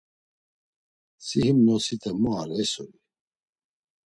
Si him nosite mu ar esuri!